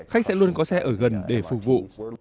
khách sẽ luôn có xe ở gần để phục vụ